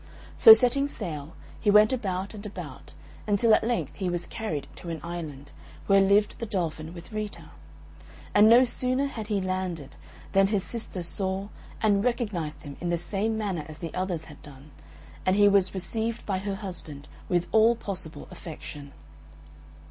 So setting sail, he went about and about, until at length he was carried to an island, where lived the Dolphin with Rita. And no sooner had he landed, than his sister saw and recognised him in the same manner as the others had done, and he was received by her husband with all possible affection.